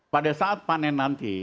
pada saat panen nanti